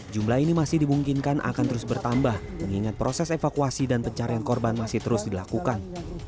jumlah ini masih dimungkinkan akan terus bertambah mengingat proses evakuasi dan pencarian korban masih terus dilakukan